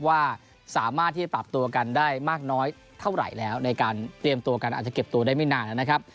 ว่าสามารถที่จะปรับตัวกันได้มากน้อยเท่าไหร่แล้วในการเตรียมตัวกันอาจจะเก็บตัวได้ไม่นานแล้วนะครับ